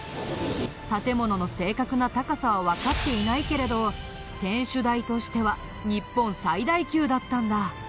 建物の正確な高さはわかっていないけれど天守台としては日本最大級だったんだ。